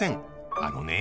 あのね